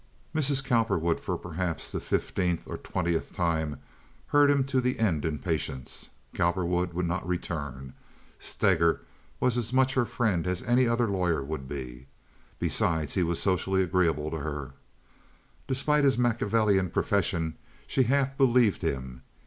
Mrs. Cowperwood for perhaps the fifteenth or twentieth time heard him to the end in patience. Cowperwood would not return. Steger was as much her friend as any other lawyer would be. Besides, he was socially agreeable to her. Despite his Machiavellian profession, she half believed him.